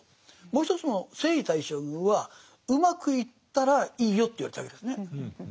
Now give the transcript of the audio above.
もう一つの征夷大将軍はうまくいったらいいよと言われたわけですね。